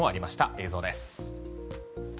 映像です。